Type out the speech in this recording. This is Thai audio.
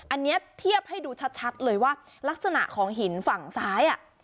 อันนี้เทียบให้ดูชัดเลยว่าลักษณะของหินฝั่งซ้าย